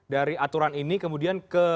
dari aturan ini kemudian ke